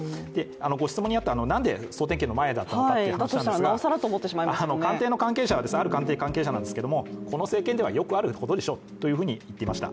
ご質問にあったなんで総点検の前だったのかということですが官邸の関係者はこの政権ではよくあることでしょということを言ってました。